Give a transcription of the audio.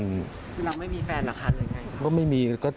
คือเราไม่มีแฟนเหรอคะหรือไง